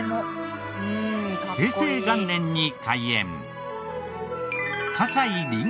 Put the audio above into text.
平成元年に開園。